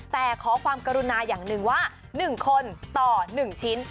แต่ขอความกรุณาอย่างหนึ่งว่า๑คนต่อ๑ชิ้น